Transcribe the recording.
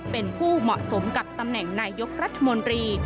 เป็นผู้เหมาะสมกับตำแหน่งนายยกรัฐมนตรี